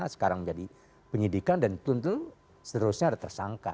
sekarang menjadi penyidikan dan tentu seterusnya ada tersangka